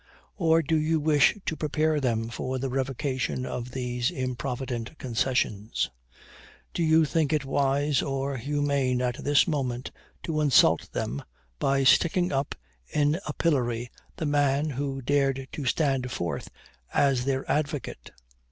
Or do you wish to prepare them for the revocation of these improvident concessions? Do you think it wise or humane at this moment to insult them, by sticking up in a pillory the man who dared to stand forth as their advocate?